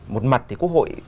một mặt thì quốc hội